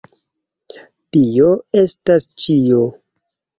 Tio estas ĉio!